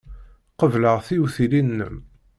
Qebleɣ tiwtilin-nnem.